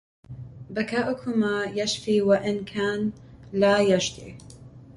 بكاؤكما يشفي وإن كان لا يجدي